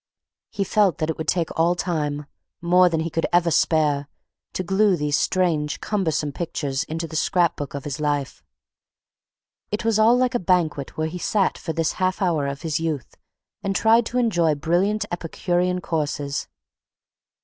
He felt that it would take all time, more than he could ever spare, to glue these strange cumbersome pictures into the scrap book of his life. It was all like a banquet where he sat for this half hour of his youth and tried to enjoy brilliant epicurean courses.